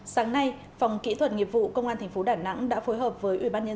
sáng nay phòng kỹ thuật nghiệp vụ công an tp đà nẵng đã phối hợp với ubnd